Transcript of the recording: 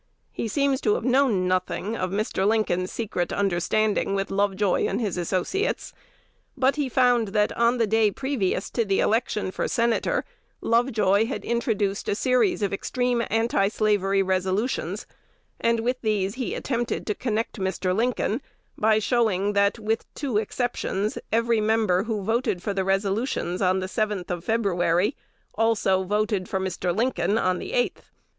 He seems to have known nothing of Mr. Lincoln's secret understanding with Lovejoy and his associates; but he found, that, on the day previous to the election for Senator, Lovejoy had introduced a series of extreme antislavery resolutions; and with these he attempted to connect Mr. Lincoln, by showing, that, with two exceptions, every member who voted for the resolutions on the 7th of February voted also for Mr. Lincoln on the 8th.